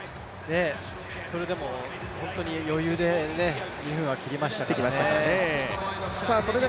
それでも本当に余裕で２分は切りましたからね。